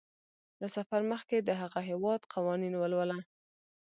له سفر مخکې د هغه هیواد قوانین ولوله.